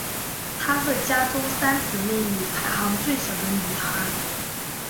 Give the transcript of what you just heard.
她是家中三姊妹里排行最小的女孩。